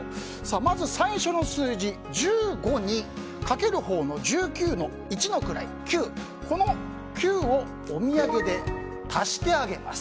まず、最初の数字１５にかけるほうの１９の一の位、９をおみやげで足してあげます。